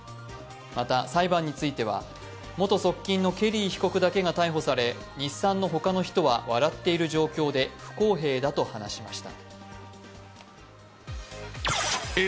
また裁判については元側近のケリー被告だけが逮捕され日産の他の人は笑っている状況で、不公平だと話しました。